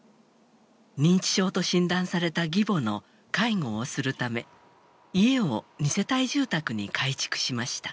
認知症と診断された義母の介護をするため家を２世帯住宅に改築しました。